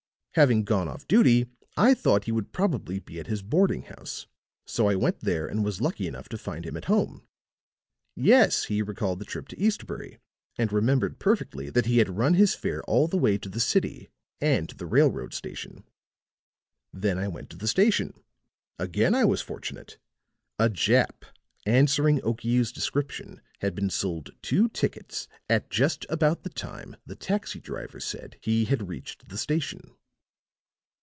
Having gone off duty I thought he would probably be at his boarding house; so I went there and was lucky enough to find him at home. "Yes, he recalled the trip to Eastbury, and remembered perfectly that he had run his fare all the way to the city and to the railroad station. Then I went to the station. Again I was fortunate. A Jap answering Okiu's description had been sold two tickets at just about the time the taxi driver said he had reached the station."